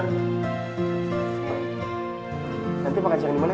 nanti makan siang dimana